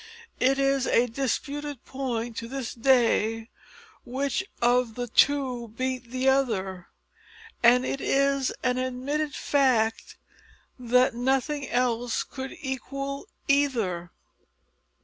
It is a disputed point to this day which of the two beat the other; and it is an admitted fact that nothing else could equal either.